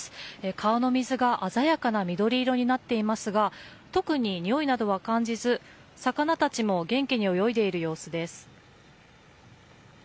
川の水が鮮やかな緑色になっていますが特に、においなどは感じず魚たちも元気に泳いでいる様子です。